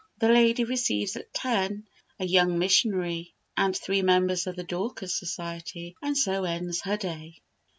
The lady receives at ten a young missionary and three members of the Dorcas Society. And so ends her day."